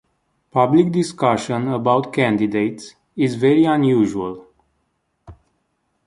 Public discussion about candidates is very unusual.